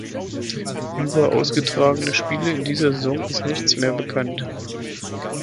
Über ausgetragene Spiele in dieser Saison ist nichts mehr bekannt.